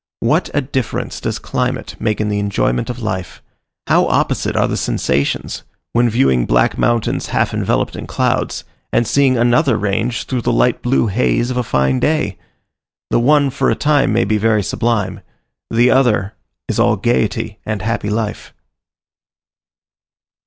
What a difference does climate make in the enjoyment of life! How opposite are the sensations when viewing black mountains half enveloped in clouds, and seeing another range through the light blue haze of a fine day! The one for a time may be very sublime; the other is all gaiety and happy life.